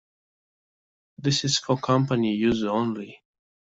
This is for company use only.